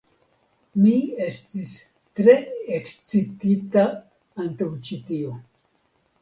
Mi estis tre ekscitita antaŭ ĉi tio.